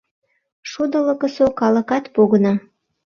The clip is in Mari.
Шудылыкысо калыкат погына.